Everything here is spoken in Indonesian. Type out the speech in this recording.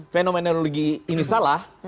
fenomenologi ini salah